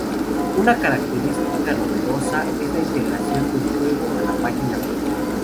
Una característica novedosa es la integración del juego a la página web.